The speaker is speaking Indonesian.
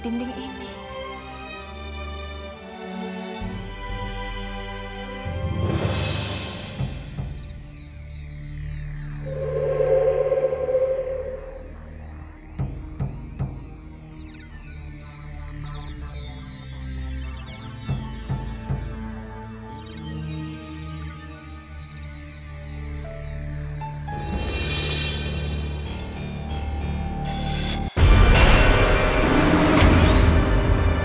kenapa saya menyerangkannya